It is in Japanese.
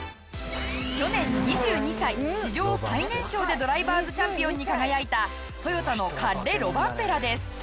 去年２２歳史上最年少でドライバーズチャンピオンに輝いたトヨタのカッレ・ロバンペラです。